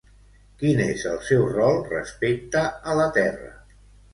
Quin és el seu rol respecte a la Terra?